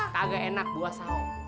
kagak enak buah saum